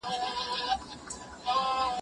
د اوبو ډېر استعمال د پښتورګو درمل دی.